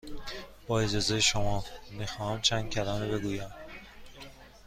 با اجازه شما، می خواهم چند کلمه بگویم.